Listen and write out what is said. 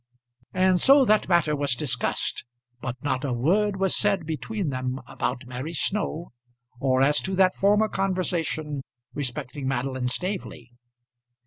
And so that matter was discussed, but not a word was said between them about Mary Snow, or as to that former conversation respecting Madeline Staveley.